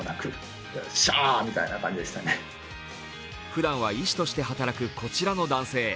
ふだんは医師として働くこちらの男性。